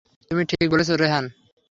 তুমি ঠিক বলেছ, রেহান।